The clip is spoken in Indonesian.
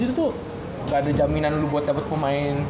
itu tuh gak ada jaminan lu buat dapet pemain